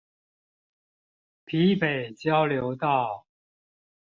埤北交流道